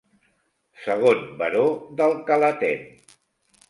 Segon Baró d'Alcalatén.